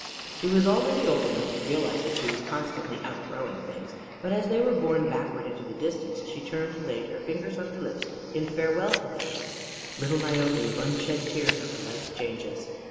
She was already old enough to realize that she was constantly outgrowing things; but as they were borne backward into the distance she turned and laid her fingers on her lips in farewell to them little Niobe of unshed tears over life's changes.